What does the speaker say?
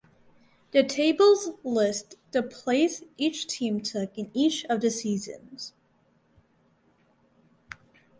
The tables list the place each team took in each of the seasons.